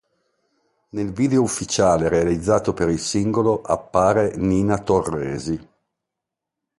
Nel video ufficiale realizzato per il singolo appare Nina Torresi.